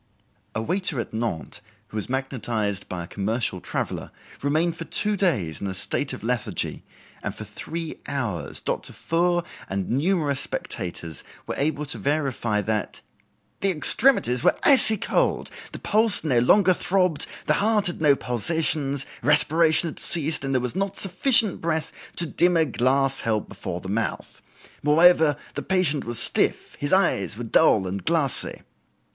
A waiter at Nantes, who was magnetized by a commercial traveler, remained for two days in a state of lethargy, and for three hours Dr. Foure and numerous spectators were able to verify that "the extremities were icy cold, the pulse no longer throbbed, the heart had no pulsations, respiration had ceased, and there was not sufficient breath to dim a glass held before the mouth. Moreover, the patient was stiff, his eyes were dull and glassy."